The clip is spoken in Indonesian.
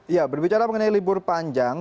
ya berbicara mengenai libur panjang